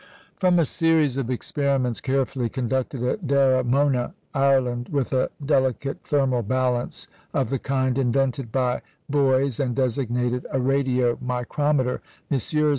From a series of experiments carefully conducted at Daramona, Ireland, with a delicate thermal balance, of the kind invented by Boys and designated a "radio micrometer," Messrs.